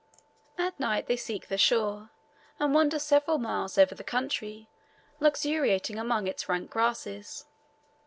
At night they seek the shore, and wander several miles over the country, luxuriating among its rank grasses.